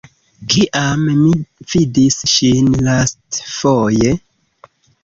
Kiam mi vidis ŝin lastfoje?